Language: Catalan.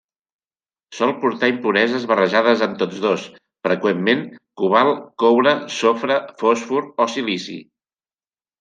Sol portar impureses barrejades amb tots dos, freqüentment: cobalt, coure, sofre, fòsfor o silici.